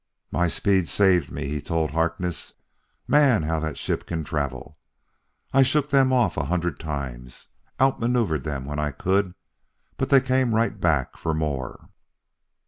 "My speed saved me," he told Harkness. "Man, how that ship can travel! I shook them off a hundred times outmaneuvered them when I could but they came right back for more.